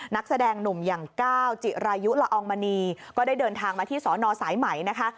นักแสดงหนุ่มอย่างก้าวจิรายุละอองมณีก็ได้เดินทางมาที่สอนอสายไหมนะคะ